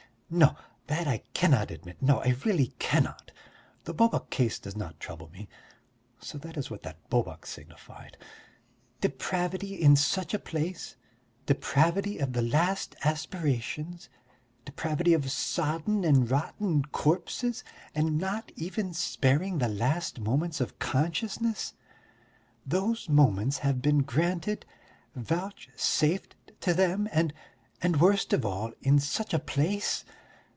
No, that I cannot admit; no, I really cannot! The bobok case does not trouble me (so that is what that bobok signified!) Depravity in such a place, depravity of the last aspirations, depravity of sodden and rotten corpses and not even sparing the last moments of consciousness! Those moments have been granted, vouchsafed to them, and ... and, worst of all, in such a place!